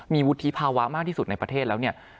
มีวุฒิภาวะมากที่สุดในประเทศแล้วเนี่ย